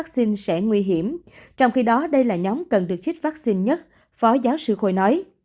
vaccine sẽ nguy hiểm trong khi đó đây là nhóm cần được chít vaccine nhất phó giáo sư khôi nói